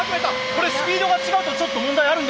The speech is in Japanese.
これスピードが違うとちょっと問題あるんじゃないですか？